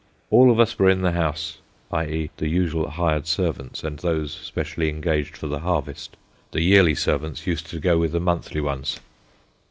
All of us were in the house [i.e., the usual hired servants, and those specially engaged for the harvest]: the yearly servants used to go with the monthly ones.